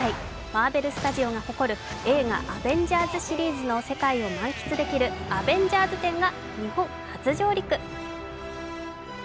マーベルスタジオが誇る、映画「アベンジャーズ」のシリーズの世界を満喫できるアベンジャーズ展が日本初上陸。